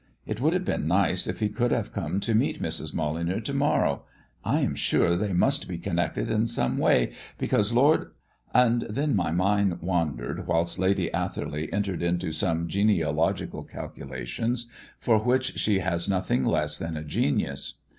It would have been nice if he could have come to meet Mrs. Molyneux to morrow. I am sure they must be connected in some way, because Lord " And then my mind wandered whilst Lady Atherley entered into some genealogical calculations, for which she has nothing less than a genius.